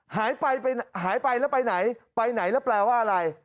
หายไปหายไปแล้วไปไหนไปไหนแล้วแปลว่าอะไร